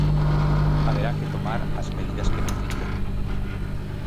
Haberá que tomar as medidas que nos diten.